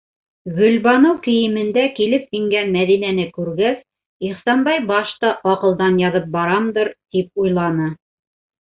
Гөлбаныу кейемендә килеп ингән Мәҙинәне күргәс, Ихсанбай башта аҡылдан яҙып барамдыр, тип уйланы.